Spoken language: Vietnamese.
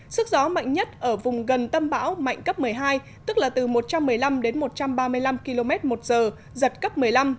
sức gió mạnh nhất ở vùng gần tâm bão mạnh cấp một mươi hai tức là từ một trăm một mươi năm đến một trăm ba mươi năm km một giờ giật cấp một mươi năm